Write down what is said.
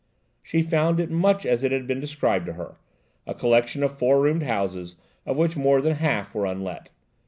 She found it much as it had been described to her–a collection of four roomed houses of which more than half were unlet.